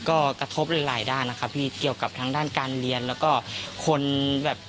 ก็กระทบหลายด้านนะครับพี่เกี่ยวกับทางด้านการเรียนแล้วก็คนแบบ